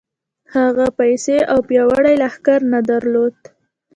هغه پيسې او پياوړی لښکر نه درلود.